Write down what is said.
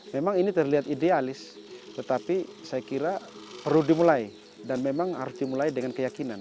memang ini terlihat idealis tetapi saya kira perlu dimulai dan memang harus dimulai dengan keyakinan